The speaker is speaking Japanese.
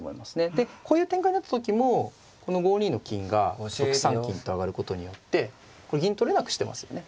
でこういう展開になった時もこの５二の金が６三金と上がることによってこれ銀取れなくしてますよね。